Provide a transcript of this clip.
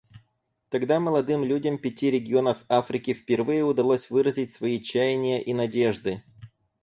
Тогда молодым людям пяти регионов Африки впервые удалось выразить свои чаяния и надежды.